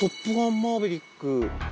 『マーヴェリック』に。